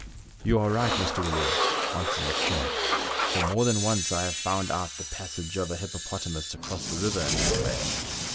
" You are right, Mr. William," answered Mokoum, " for more than once I have found out the passage of a hippo potamus across the river in that way."